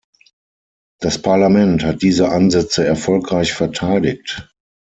Das Parlament hat diese Ansätze erfolgreich verteidigt.